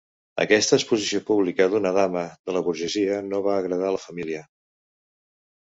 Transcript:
Aquesta exposició pública d'una dama de la burgesia no va agradar la família.